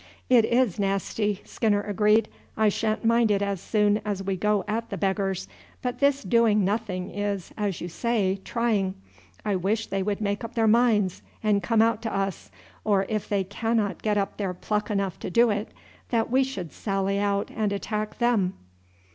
"It is nasty," Skinner agreed. "I sha'n't mind it as soon as we go at the beggars, but this doing nothing is, as you say, trying. I wish they would make up their minds and come out to us, or if they cannot get up their pluck enough to do it, that we should sally out and attack them."